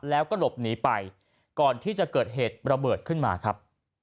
แล้วก็หลบหนีไปก่อนที่จะเกิดเหตุระเบิดขึ้นมาครับ